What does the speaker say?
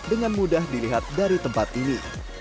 dengan mudah dilihat dari tempat ini